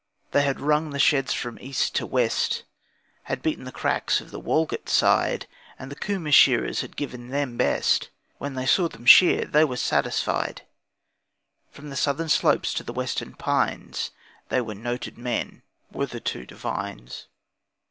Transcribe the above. They had rung the sheds of the east and west, Had beaten the cracks of the Walgett side, And the Cooma shearers had giv'n them best When they saw them shear, they were satisfied. From the southern slopes to the western pines They were noted men, were the two Devines.